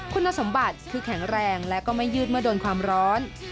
คุณสมบัติคือแข็งแรงและก็ไม่ยืดเมื่อโดนความร้อน